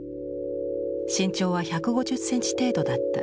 身長は１５０センチ程度だった。